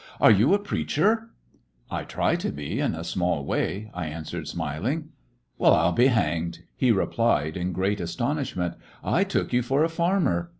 "Are you a preacher t" "I try to be, in a small way," I answered, smiling. "Well, I '11 be hanged !" he replied in great astonishment. "I took you for a farmer!